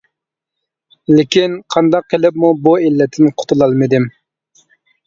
لېكىن قانداق قىلىپمۇ بۇ ئىللەتتىن قۇتۇلالمىدىم.